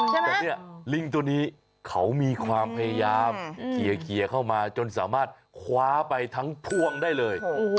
แต่เนี่ยลิงตัวนี้เขามีความพยายามเคลียร์เข้ามาจนสามารถคว้าไปทั้งพ่วงได้เลย